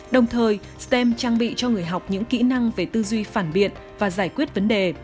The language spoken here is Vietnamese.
đồng thời stem trang bị cho người học những kỹ năng về tư duy phản biện và giải quyết vấn đề